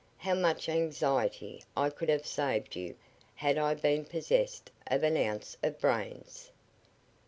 How much anxiety I could have saved you had I been possessed of an ounce of brains!"